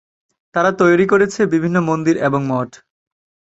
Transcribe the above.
তারা তৈরী করেছে বিভিন্ন মন্দির এবং মঠ।